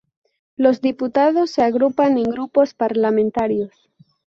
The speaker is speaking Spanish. Los diputados se agrupan en grupos parlamentarios.